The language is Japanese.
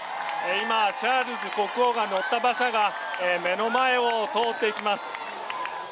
今、チャールズ国王が乗った馬車が目の前を通っていきます。